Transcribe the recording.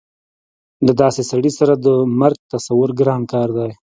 د داسې سړي سره د مرګ تصور ګران کار دی